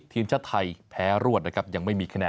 ทีมชาติไทยแพ้รวดนะครับยังไม่มีแน